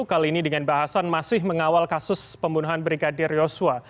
kali ini dengan bahasan masih mengawal kasus pembunuhan brigadir yosua